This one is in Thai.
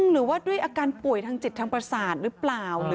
หรือว่าด้วยอาการป่วยทางจิตทางประสาทหรือเปล่า